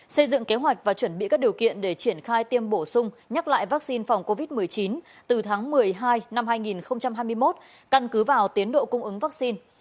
xây dựng kế hoạch và chuẩn bị các điều kiện để triển khai tiêm bổ sung nhắc lại vaccine phòng covid một mươi chín từ tháng một mươi hai năm hai nghìn hai mươi một căn cứ vào tiến độ cung ứng vaccine